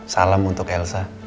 salam untuk elsa